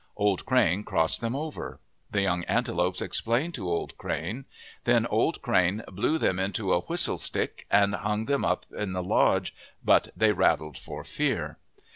Old Crane crossed them over. The young antelopes explained to Old Crane. Then Old Crane blew them into a whistle stick and hung them up in the lodge, but they rattled for fear.